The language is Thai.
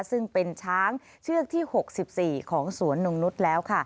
ซึ่งเป็นช้างเชือกที่๖๔ของสวนนงนุษย์แล้ว